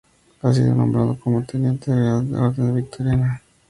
Ha sido nombrado como Teniente de la Real Orden Victoriana.